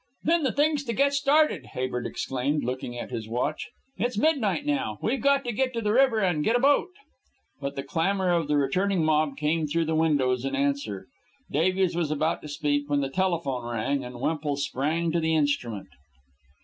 "Then the thing's to get started," Habert exclaimed, looking at his watch. "It's midnight now. We've got to get to the river and get a boat " But the clamor of the returning mob came through the windows in answer. Davies was about to speak, when the telephone rang, and Wemple sprang to the instrument.